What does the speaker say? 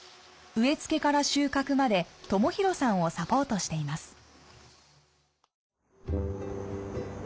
植え付けから収穫まで朝洋さんをサポートしています。